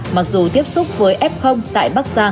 mặc dù tiếp xúc với f tại bắc giang